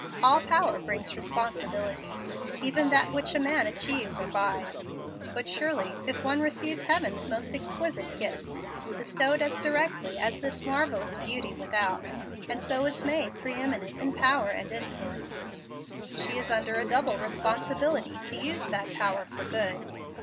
All power brings responsibility, even that which a man achieves or buys; but surely, if one receives Heaven's most exquisite gifts, bestowed as directly as this marvellous beauty without, and so is made pre eminent in power and influence, she is under a double responsibility to use that power for good.